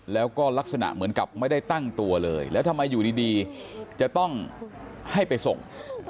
แล้วก็ลักษณะเหมือนกับไม่ได้ตั้งตัวเลยแล้วทำไมอยู่ดีจะต้องให้ไปส่ง